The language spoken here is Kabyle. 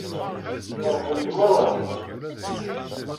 Feṛḥent meṛṛa.